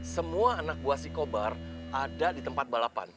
semua anak buah si cobra ada di tempat balapan